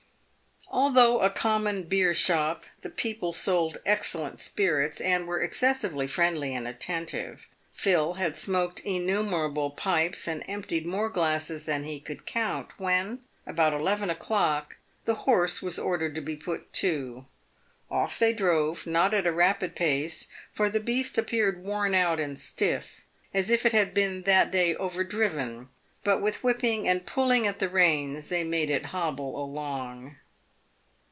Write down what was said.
Although a common beershop, the people sold excellent spirits, and were excessively friendly and attentive. Phil had smoked innumer able pipes and emptied more glasses than he could count, when (about eleven o'clock) the horse was ordered to be put to. Off they drove, not at a rapid pace, for the beast appeared worn out and stiff, as if it had been that day overdriven, but with whipping and pulling at the reins they made it hobble along.